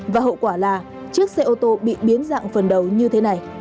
và hậu quả là chiếc xe ô tô bị biến dạng phần đầu như thế này